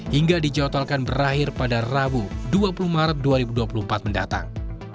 hingga dijatalkan berakhir pada rabu dua puluh maret dua ribu dua puluh empat mendatang